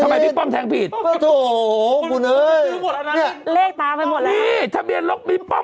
ทำไมบิ๊กป้อมแทงผิดโอ้โธ่คุณเอ้ยนี่นี่ทะเบียนลกบิ๊กป้อม